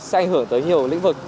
sẽ ảnh hưởng tới nhiều lĩnh vực